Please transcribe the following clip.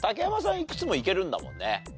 いくつもいけるんだもんね。